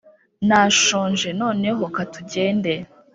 Nashonje noneho katugende